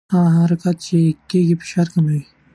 هغه حرکت چې کېږي فشار کموي.